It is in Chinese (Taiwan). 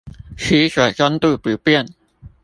吃水深度不變